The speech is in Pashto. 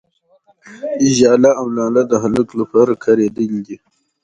، ژاله او لاله د هلک لپاره کارېدلي دي.